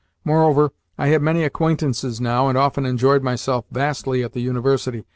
Moreover, I had many acquaintances now, and often enjoyed myself vastly at the University.